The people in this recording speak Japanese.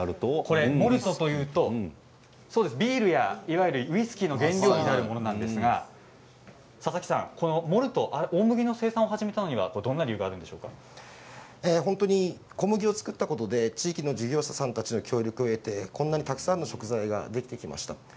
モルトというとビールやいわゆるウイスキーの原料になるものなんですが佐々木さん、モルト、大麦の生産を始めたのには小麦を作ったことで地域の事業者さんの協力を得てこんなにたくさんの食材ができてきました。